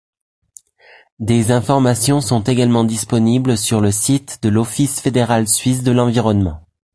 Des informations sont également disponibles sur le site de l'Office fédéral suisse de l'environnement.